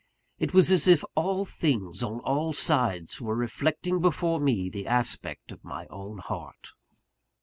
It was as if all things, on all sides, were reflecting before me the aspect of my own heart.